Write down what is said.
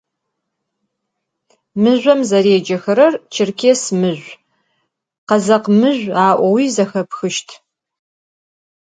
Mızjom zerêcexerer «Çêrkês mızjü», «Khezekh mızjü» a'oui zexepxışt.